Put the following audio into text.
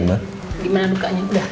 gimana lukanya udah